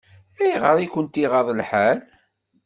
Ayɣer i kent-iɣaḍ lḥal?